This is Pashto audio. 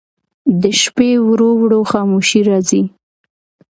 د شپې ورو ورو خاموشي راځي.